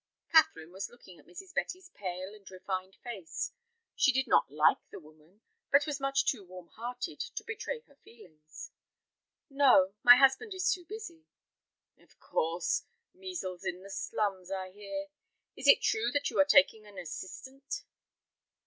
Catherine was looking at Mrs. Betty's pale and refined face. She did not like the woman, but was much too warm hearted to betray her feelings. "No, my husband is too busy." "Of course. Measles in the slums, I hear. Is it true that you are taking an assistant."